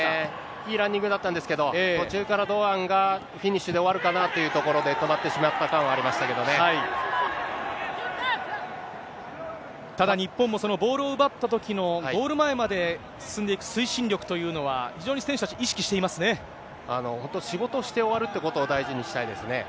いいランニングだったんですけど、途中から堂安がフィニッシュで終わるかなというところで、止まっただ、日本もそのボールを奪ったときの、ゴール前まで進んでいく推進力というのは、非常に選手たち、本当、仕事をして終わるってことを大事にしたいですね。